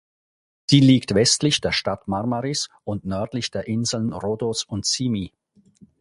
Sie liegt westlich der Stadt Marmaris und nördlich der Inseln Rhodos und Symi.